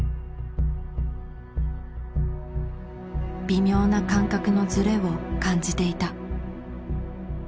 微妙な感覚のズレを感じていた。